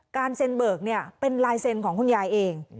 การเซ็นเบิร์กเนี่ยเป็นลายเซ็นของคุณยายเอง